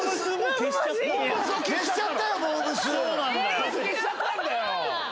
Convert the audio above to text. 消しちゃったんだよ！